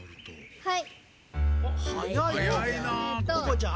はい。